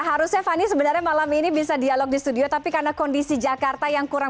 harusnya fani sebenarnya malam ini bisa dialog di studio tapi karena kondisi jakarta yang kurang